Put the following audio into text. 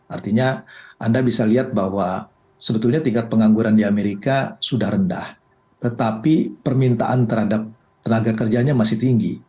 artinya anda bisa lihat bahwa sebetulnya tingkat pengangguran di amerika sudah rendah tetapi permintaan terhadap tenaga kerjanya masih tinggi